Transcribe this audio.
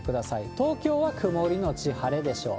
東京は曇り後晴れでしょう。